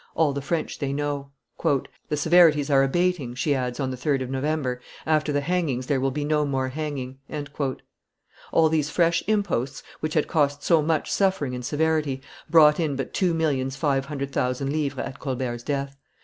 all the French they know.. .." "The severities are abating," she adds on the 3d of November: "after the hangings there will be no more hanging." All these fresh imposts, which had cost so much suffering and severity, brought in but two millions five hundred thousand livres at Colbert's death.